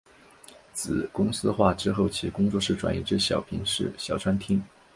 子公司化之后其工作室转移至小平市小川町。